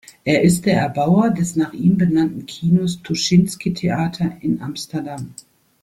Er ist der Erbauer des nach ihm benannten Kinos "Tuschinski-Theater" in Amsterdam.